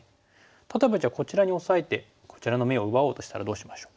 例えばじゃあこちらにオサえてこちらの眼を奪おうとしたらどうしましょう？